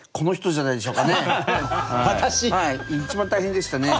はい一番大変でしたね。